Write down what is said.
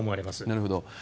なるほど。